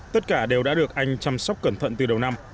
tất cả đều đã được anh chăm sóc cẩn thận từ đầu năm